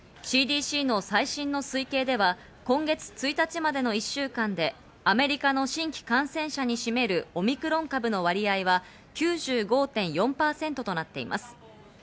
ＣＤＣの最新の推計では今月１日までの１週間でアメリカの新規感染者に占めるオミクロン株の割合は９５．４％となっています。